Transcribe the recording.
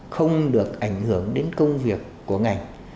không được ảnh hưởng đến công việc của ngành